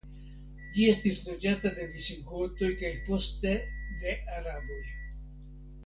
Ĝi estis loĝata de visigotoj kaj poste de araboj.